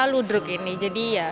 ludruk ini jadi ya